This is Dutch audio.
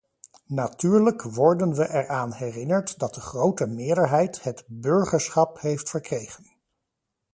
Natuurlijk worden we er aan herinnerd dat de grote meerderheid het burgerschap heeft verkregen.